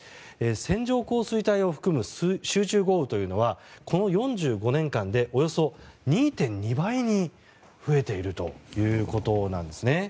線状降水帯を含む集中豪雨というのはこの４５年間でおよそ２．２倍に増えているということなんです。